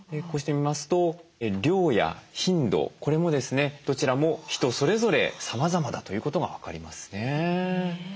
こうして見ますと量や頻度これもですねどちらも人それぞれさまざまだということが分かりますね。